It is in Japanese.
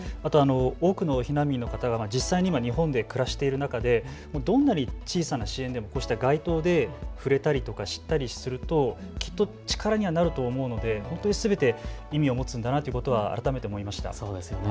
多くの避難民の方が実際に今、日本で暮らしている中でどんなに小さな支援でも街頭で触れたり知ったりするときっと力にはなると思うので本当にすべて意味を持つんだなということを改めて思いました。